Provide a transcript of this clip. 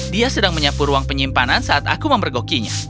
dia sedang menyapu ruang penyimpanan saat aku memergokinya